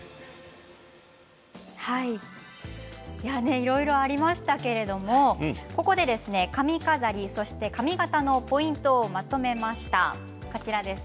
いろいろありましたけれどもここで髪飾りそして髪形のポイントをまとめました。